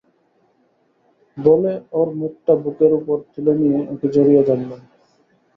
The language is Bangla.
বলে ওর মুখটা বুকের উপর তুলে নিয়ে ওকে জড়িয়ে ধরল।